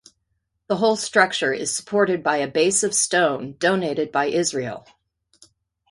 The whole structure is supported by a base of stone donated by Israel.